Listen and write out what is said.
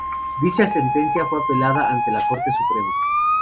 Dicha sentencia fue apelada ante la Corte Suprema.